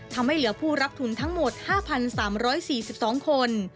ทำให้เหลือผู้รับทุนทั้งหมด๕๓๔๒คน